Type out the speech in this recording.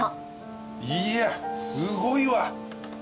いやすごいわ。